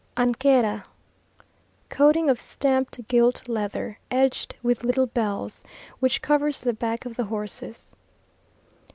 Anquera Coating of stamped gilt leather, edged with little bells, which covers the back of the horses.